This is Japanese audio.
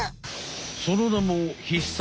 そのなも必殺